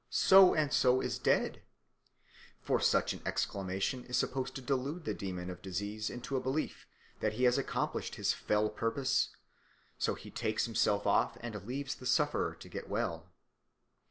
So and So is dead"; for such an exclamation is supposed to delude the demon of disease into a belief that he has accomplished his fell purpose, so he takes himself off and leaves the sufferer to get well.